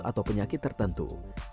atau penyakit tertentu